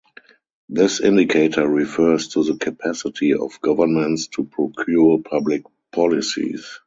This indicator refers to the capacity of governments to procure public policies.